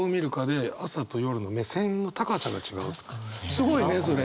すごいねそれ。